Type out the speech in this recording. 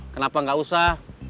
kenapa gak usah